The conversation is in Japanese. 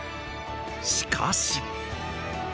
しかし！